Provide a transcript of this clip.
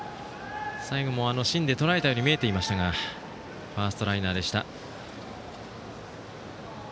最後も芯でとらえたように見えましたがファーストライナーでした。